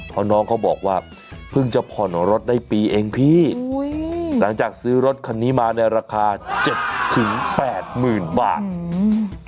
เพราะน้องเขาบอกว่าเพิ่งจะผ่อนรถได้ปีเองพี่หลังจากซื้อรถคันนี้มาในราคา๗๘หมื่นบาท